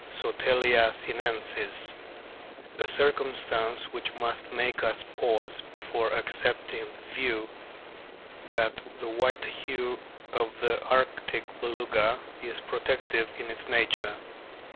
Sotalia sinensis], a circumstance which must make us pause before accepting the view that the white hue of the arctic Beluga is protective in its nature.